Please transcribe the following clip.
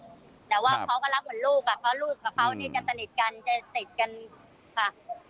แต่ว่าเขาก็รักเหมือนลูกอ่ะเพราะลูกกับเขานี่จะสนิทกันจะติดกันค่ะ